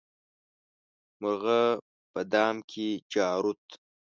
مرغه په دام کې جارووت.